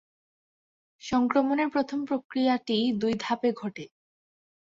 সংক্রমণের প্রথম প্রক্রিয়াটি দুই ধাপে ঘটে।